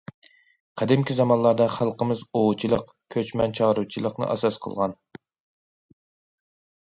قەدىمكى زامانلاردا خەلقىمىز ئوۋچىلىق، كۆچمەن چارۋىچىلىقنى ئاساس قىلغان.